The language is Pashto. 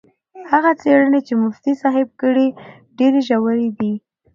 هغه څېړنې چې مفتي صاحب کړي ډېرې ژورې دي.